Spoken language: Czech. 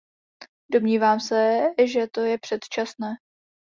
Domnívám se, že to je předčasné.